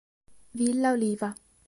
Villa Oliva